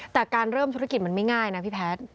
แต่การเริ่มธุรกิจมันไม่ง่ายนะพี่แพทย์